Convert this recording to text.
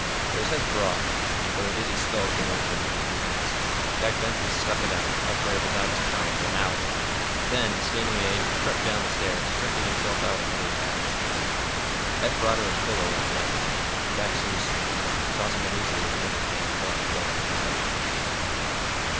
Though his head throbbed, and though a dizzy spell came over him every few minutes, Jack Benson stuck it out, up there beside his chum, for an hour. Then, disdaining aid, he crept down the stairs, stretching himself out on one of the cabin seats. Eph brought him a pillow and a blanket. Jack soon slept, tossing uneasily whenever pain throbbed dully in his head.